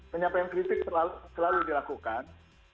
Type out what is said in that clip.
menyampaikan kritik selalu dilakukan